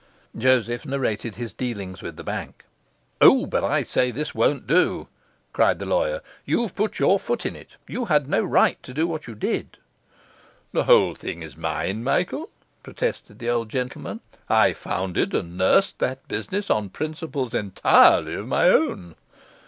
Joseph narrated his dealings with the bank. 'O, but I say, this won't do,' cried the lawyer. 'You've put your foot in it. You had no right to do what you did.' 'The whole thing is mine, Michael,' protested the old gentleman. 'I founded and nursed that business on principles entirely of my own.